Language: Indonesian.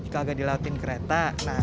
kagak dilautin kereta